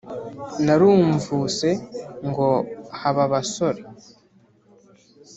narumvuse ngo haba abasore